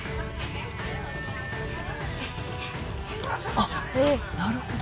あっなるほど。